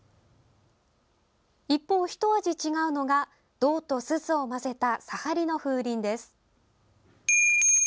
一方、ひと味違うのが銅とスズを混ぜた砂張の風鈴です。